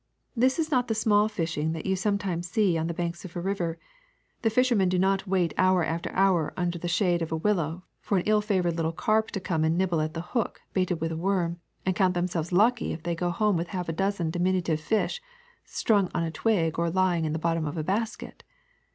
'' This is not the small fishing that you sometimes see on the banks of a river ; the fishermen do not wait 288 THE SECRET OF EVERYDAY THINGS hour after hour under the shade of a willow for an ill favored little carp to come and nibble at the hook baited with a worm, and count themselves lucky if they go home with half a dozen diminutive fish strung on a twig or lying in the bottom of a basket.